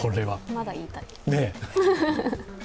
まだ言いたい。